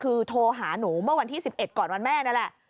คือโทรหาหนูเมื่อวันที่๑๑ก่อนวันแม่นั่นแหละ